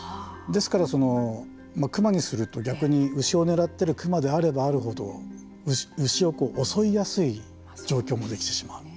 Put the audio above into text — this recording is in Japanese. ですから、クマにすると逆に牛を狙っているクマであればあるほど牛を襲いやすい状況もできてしまう。